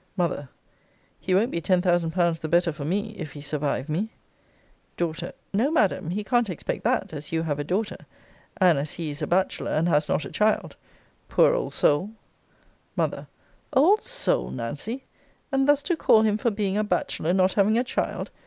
M. He won't be ten thousand pounds the better for me, if he survive me. D. No, Madam; he can't expect that, as you have a daughter, and as he is a bachelor, and has not a child! Poor old soul! M. Old soul, Nancy! And thus to call him for being a bachelor, not having a child!